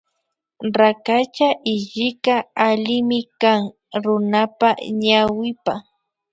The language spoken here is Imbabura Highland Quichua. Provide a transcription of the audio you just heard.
Rakacha hillika allimi kan runapa ñawipa